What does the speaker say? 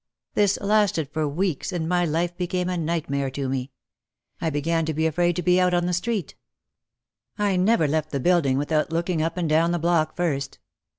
This lasted for weeks and my life became a nightmare to me. I be gan to be afraid to be out on the street. I never left the building without looking up and down the block first.